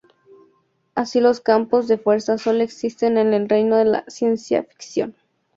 Así, los campos de fuerza sólo existen en el reino de la ciencia-ficción.